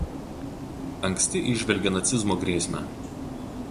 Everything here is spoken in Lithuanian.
Anksti įžvelgė nacizmo grėsmę.